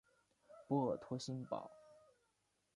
波尔托新堡。